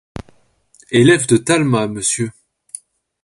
Élève de Talma, monsieur!